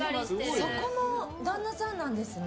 そこも旦那さんなんですね。